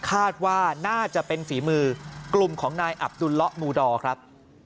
คาดว่าน่าจะเป็นฝีมือกลุ่มของนายอับดุลละมูดอร์ครับ